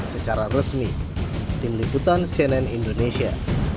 secara resmi tim liputan cnn indonesia